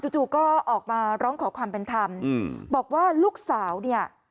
จู่ก็ออกมาร้องขอความเป็นธรรมบอกว่าลูกสาวเนี่ย